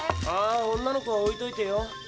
あ女の子はおいといてよ。